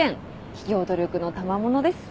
企業努力のたまものです。